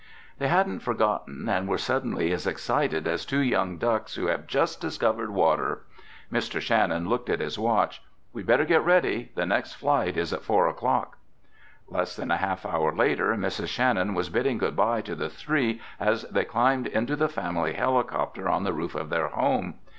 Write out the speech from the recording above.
They hadn't forgotten and were suddenly as excited as two young ducks who have just discovered water. Mr. Shannon looked at his watch. "We'd better get ready. The next flight is at four o'clock." Less than a half hour later, Mrs. Shannon was bidding goodbye to the three as they climbed into the family helicopter on the roof of their home.